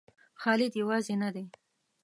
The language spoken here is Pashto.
خالد یوازې نه دی.